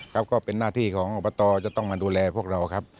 ก็เป็นหน้าที่ของอบตจะต้องมาดูแลพวกเราครับ